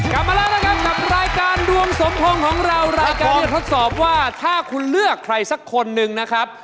กลับมาแล้วนะครับกับรายการดวงสมพงษ์ของเรารายการทดสอบว่าถ้าคุณเลือกใครสักคนหนึ่งนะครับ